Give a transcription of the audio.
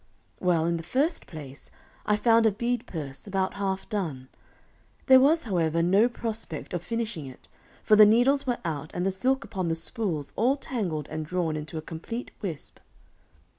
Well, in the first place, I found a bead purse, about half done; there was, however, no prospect of finishing it, for the needles were out, and the silk upon the spools all tangled and drawn into a complete wisp.